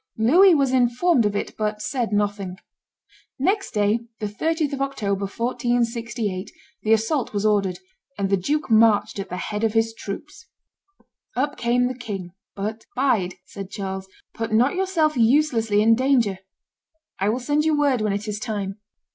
Louis was informed of it, but said nothing. Next day, the 30th of October, 1468, the assault was ordered; and the duke marched at the head of his troops. Up came the king; but, "Bide," said Charles; "put not yourself uselessly in danger; I will send you word when it is time."